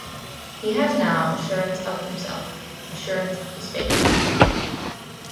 He has now assurance of himself, assurance of his faith.